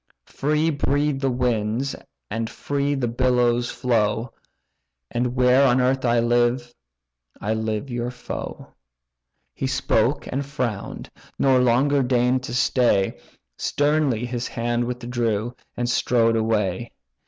Free breathe the winds, and free the billows flow; And where on earth I live, I live your foe." He spoke and frown'd, nor longer deign'd to stay, Sternly his hand withdrew, and strode away.